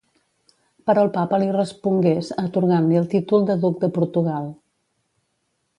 Però el papa li respongués atorgant-li el títol de duc de Portugal.